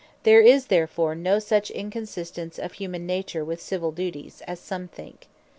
There is therefore no such Inconsistence of Humane Nature, with Civill Duties, as some think.